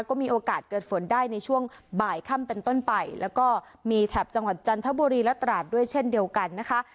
ก็มีโอกาสเกิดฝนได้ในช่วงบ่ายค่ำเป็นต้นไปแล้วก็มีแถบจังหวัดจันทบุรีและตราดด้วยเช่นเดียวกันนะคะ